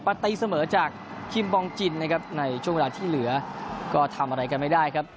ตีเสมอจากคิมบองจินนะครับในช่วงเวลาที่เหลือก็ทำอะไรกันไม่ได้ครับ